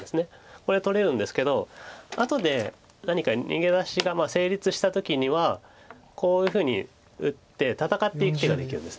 これ取れるんですけど後で何か逃げ出しが成立した時にはこういうふうに打って戦っていく手ができるんです。